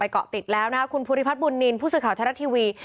ก็ติดแล้วนะครับคุณภูริพัฒน์บุญนินผู้สื่อข่าวแทนทรัศน์ทีวี